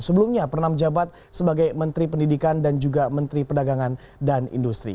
sebelumnya pernah menjabat sebagai menteri pendidikan dan juga menteri perdagangan dan industri